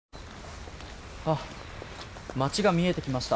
街が見えてきました。